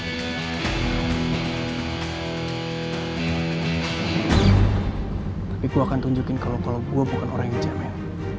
tapi gue akan tunjukin ke lo kalau gue bukan orang yang jemen